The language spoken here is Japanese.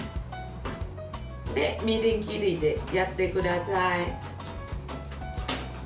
みじん切りで、やってください。